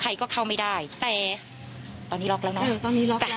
ใครก็เข้าไม่ได้แต่ตอนนี้ล็อกแล้วเนาะตอนนี้ล็อกแต่